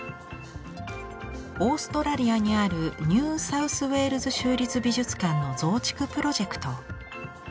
オーストラリアにあるニューサウスウェールズ州立美術館の増築プロジェクト。